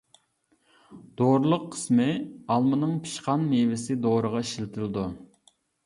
دورىلىق قىسمى ئالمىنىڭ پىشقان مېۋىسى دورىغا ئىشلىتىلىدۇ.